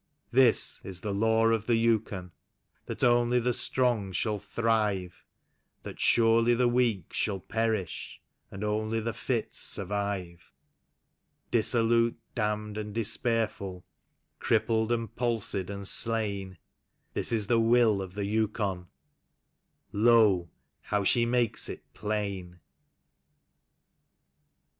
This is the Law of the Yukon, that only the Strong shall thrive; 'That surely the Weak shall perisli, and only the Fit survive. Dissolute, damned and despairful, crippled and palsied and slain. This is the Will of the Yiikon, — Lo! how she makes it plain!